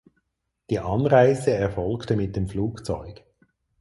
Die Anreise erfolgte mit dem Flugzeug.